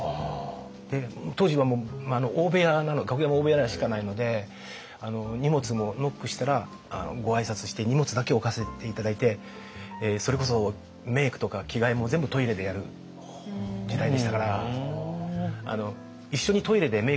当時はもう楽屋も大部屋しかないので荷物もノックしたらご挨拶して荷物だけ置かせて頂いてそれこそメイクとか着替えも全部トイレでやる時代でしたから。